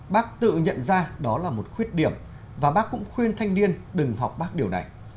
bác tự nhận ra đó là một khuyết điểm và bác cũng khuyên thanh niên đừng học bác điều này